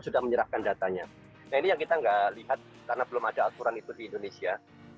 sudah menyerahkan datanya nah ini yang kita nggak lihat karena belum ada aturan itu di indonesia